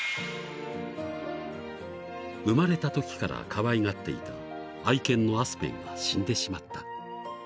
［生まれたときからかわいがっていた愛犬のアスペンが死んでしまった］